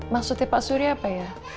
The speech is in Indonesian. maksudnya pak surya apa ya